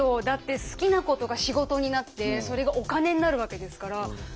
だって好きなことが仕事になってそれがお金になるわけですから。